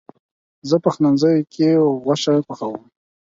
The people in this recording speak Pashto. زه پخلنځي کې غوښه پخوم.